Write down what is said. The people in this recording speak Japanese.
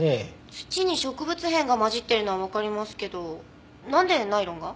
土に植物片が混じっているのはわかりますけどなんでナイロンが？